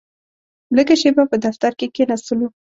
لږه شېبه په دفتر کې کښېناستلو.